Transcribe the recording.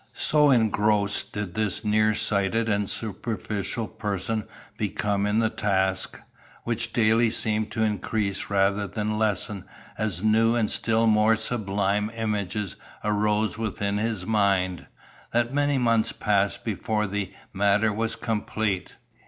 So engrossed did this near sighted and superficial person become in the task (which daily seemed to increase rather than lessen as new and still more sublime images arose within his mind) that many months passed before the matter was complete.